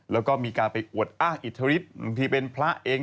แล้วก็มีการอุด้างอิทธิฤทธิ์หรือทีเป็นพระเอง